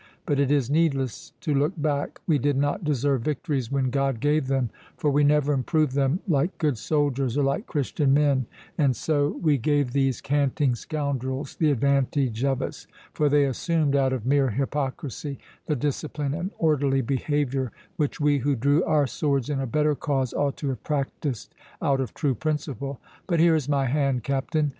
But it is needless to look back; we did not deserve victories when God gave them, for we never improved them like good soldiers, or like Christian men; and so we gave these canting scoundrels the advantage of us, for they assumed, out of mere hypocrisy, the discipline and orderly behaviour which we, who drew our swords in a better cause, ought to have practised out of true principle. But here is my hand, Captain.